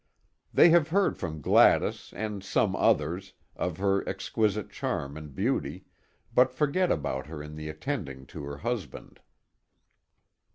They have heard from Gladys and some others, of her exquisite charm and beauty, but forget about her in the attending to her husband.